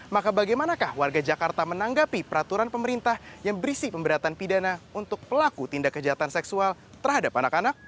maka bagaimanakah warga jakarta menanggapi peraturan pemerintah yang berisi pemberatan pidana untuk pelaku tindak kejahatan seksual terhadap anak anak